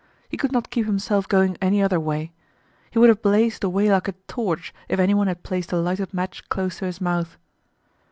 He could not keep himself going any other way. He would have blazed away like a torch if anyone had placed a lighted match close to his mouth.